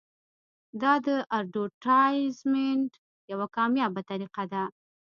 دا د اډورټایزمنټ یوه کامیابه طریقه ده.